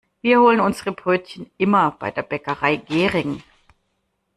Wir holen unsere Brötchen immer bei der Bäckerei Gehring.